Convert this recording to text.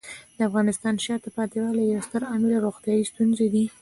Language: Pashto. د افغانستان د شاته پاتې والي یو ستر عامل روغتیايي ستونزې دي.